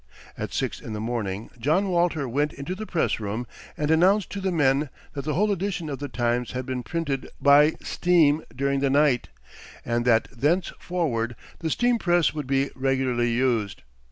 At six in the morning John Walter went into the press room, and announced to the men that the whole edition of "The Times" had been printed by steam during the night, and that thenceforward the steam press would be regularly used.